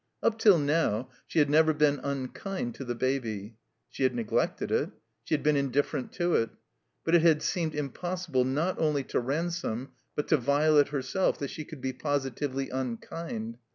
Up till now she had never been unkind to the Baby. She had neglected it; she had been indiffer ent to it; but it had seemed impossible, not only to Ransome, but to Violet herself, that she could be positively unkind.